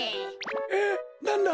えっなんだ？